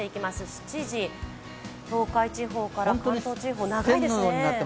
７時、東海地方から関東地方、長いですね。